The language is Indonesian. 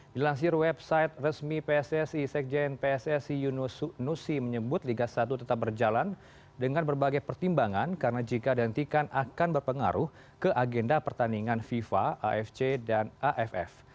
dilansir website resmi pssi sekjen pssi yunus nusi menyebut liga satu tetap berjalan dengan berbagai pertimbangan karena jika dihentikan akan berpengaruh ke agenda pertandingan fifa afc dan aff